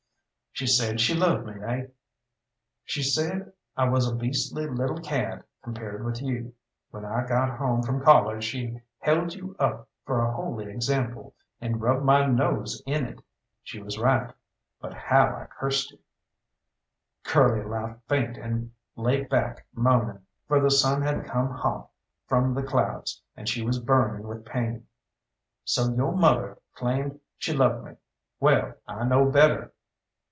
"She said she loved me, eh?" "She said I was a beastly little cad compared with you. When I got home from college she held you up for a holy example, and rubbed my nose in it. She was right but how I cursed you!" Curly laughed faint and lay back moaning, for the sun had come hot from the clouds, and she was burning with pain. "So yo' mother claimed she loved me. Well, I know better!"